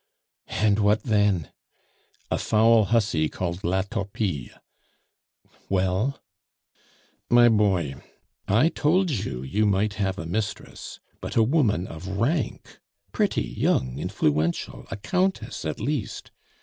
"And what then?" "A foul hussy called La Torpille " "Well?" "My boy, I told you you might have a mistress, but a woman of rank, pretty, young, influential, a Countess at least.